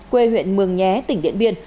quê huyện mường nhé tỉnh điện biên